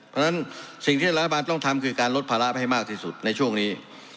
เพราะฉะนั้นสิ่งที่รัฐบาลต้องทำคือการลดภาระไปให้มากที่สุดในช่วงนี้